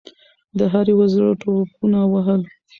د هر یوه زړه ټوپونه وهل.